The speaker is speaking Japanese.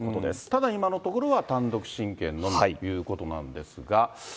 ただ、今のところは、単独親権のみということなんですが。